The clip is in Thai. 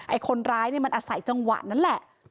คนร้ายเนี่ยมันอาศัยจังหวะนั้นแหละ